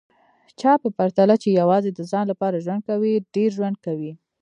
چا په پرتله چي یوازي د ځان لپاره ژوند کوي، ډېر ژوند کوي